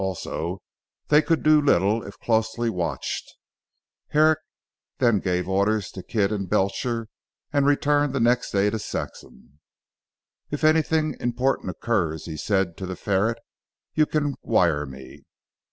Also, they could do little if closely watched. Herrick then gave his orders to Kidd and Belcher, and returned the next day to Saxham. "If anything important occurs," he said to the ferret, "you can wire me."